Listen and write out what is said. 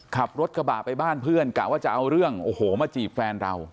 ขับรถกระบะไปบ้านเพื่อนกะว่าจะเอาเรื่องโอ้โหมาจีบแฟนเรา